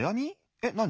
えっなに？